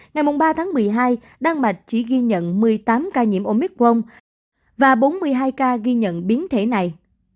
ngày ba tháng một mươi hai đan mạch chỉ ghi nhận một mươi tám ca nhiễm omicron và bốn mươi hai ca ghi nhận biến thể này